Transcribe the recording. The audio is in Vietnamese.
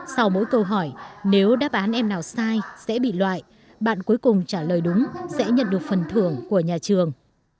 sau mỗi câu hỏi nếu đáp án em nào sai sẽ bị loại bạn cuối cùng trả lời đúng sẽ nhận được phần thưởng của nhà trường